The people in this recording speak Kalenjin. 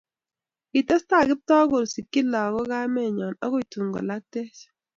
Kitestai Kiptoo kosikchi lakok kamenyo akoi tun kolaktech